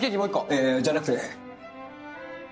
いやじゃなくて。